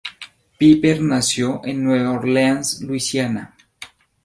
Piper nació en Nueva Orleans, Luisiana.